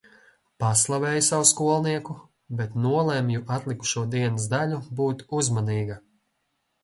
Paslavēju savu skolnieku, bet nolemju atlikušo dienas daļu būt uzmanīga.